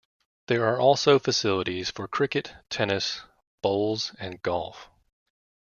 There are also facilities for cricket, tennis, bowls, and golf.